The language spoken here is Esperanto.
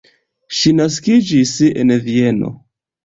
Ŝi naskiĝis en Vieno.